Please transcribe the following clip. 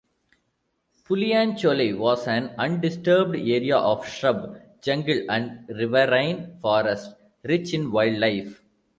Puliancholai was an undisturbed area of shrub jungle and riverine forests rich in wildlife.